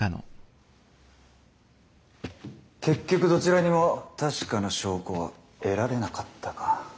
結局どちらにも確かな証拠は得られなかったか。